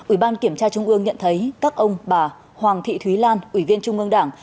ủy ban kiểm tra trung ương nhận thấy các ông bà hoàng thị thúy lan ủy viên trung ương đảng